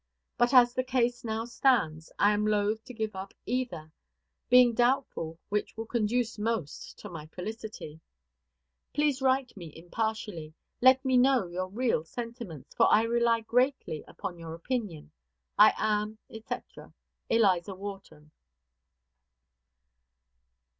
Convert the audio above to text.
But, as the case now stands, I am loath to give up either; being doubtful which will conduce most to my felicity. Pray write me impartially; let me know your real sentiments, for I rely greatly upon your opinion. I am, &c., ELIZA WHARTON.